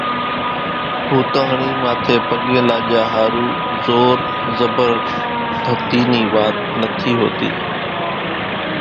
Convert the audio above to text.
ھوتاۿڻي ماٿي پڳين لاڄا ۿارُو زور زڀردتي نِي وات نٿي ھوتي